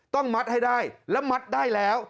ต้องมัดให้ได้และมัดได้แล้ว